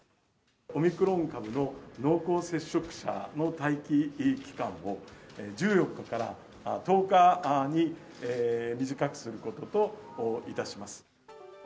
オミクロン株の濃厚接触者の待機期間を、１４日から１０日に短くすることといたします。